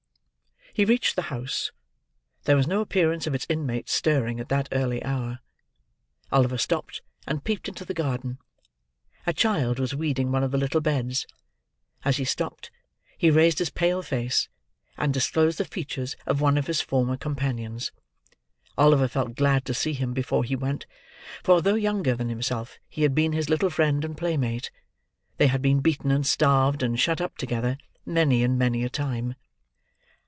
He reached the house. There was no appearance of its inmates stirring at that early hour. Oliver stopped, and peeped into the garden. A child was weeding one of the little beds; as he stopped, he raised his pale face and disclosed the features of one of his former companions. Oliver felt glad to see him, before he went; for, though younger than himself, he had been his little friend and playmate. They had been beaten, and starved, and shut up together, many and many a time.